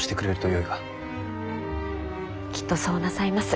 きっとそうなさいます。